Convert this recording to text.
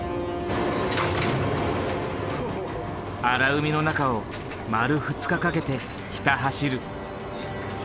荒海の中を丸２日かけてひた走る。